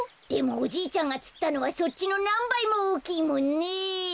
でもおじいちゃんがつったのはそっちのなんばいもおおきいもんね！